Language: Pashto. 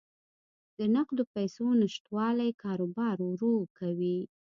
د نقدو پیسو نشتوالی کاروبار ورو کوي.